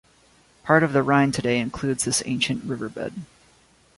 Part of the Rhine today includes this ancient riverbed.